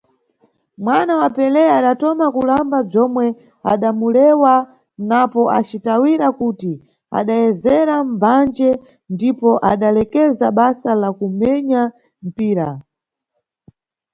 Mwana wa Pelé adatoma kulamba bzwomwe adamulewera napo acitawira kuti adayezera mbandje ndipo adalekeza basa la kumenya mpira.